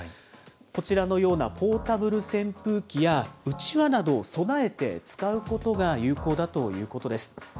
こちらのようなポータブル扇風機や、うちわなどを備えて使うことが有効だということです。